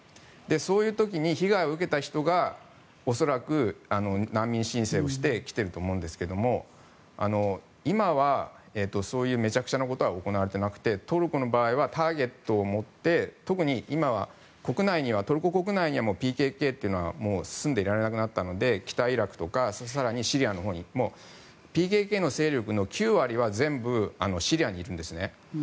そういう時に被害を受けた人が恐らく難民申請をして来ていると思うんですが今はそういうめちゃくちゃなことは行われていなくてトルコの場合はターゲットを持って、特に今はトルコ国内にはＰＫＫというのは住んでいられなくなったので北イラクとか更にシリアのほうにＰＫＫの勢力の９割は全部シリアにいるんです。